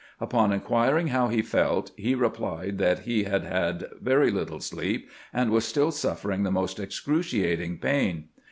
Upon in quiring how he felt, he replied that he had had very little sleep, and was still suffering the most excruciating pain.